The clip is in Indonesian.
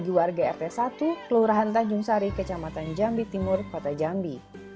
ke warga rt satu kelurahan tanjung sari ke camatan jambi timur kota jambi